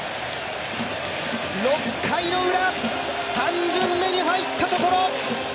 ６回ウラ、３巡目に入ったところ。